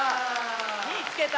「みいつけた！